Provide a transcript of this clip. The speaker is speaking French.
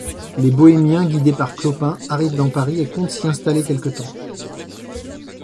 Les Bohémiens, guidés par Clopin, arrivent dans Paris et comptent s’y installer quelque temps.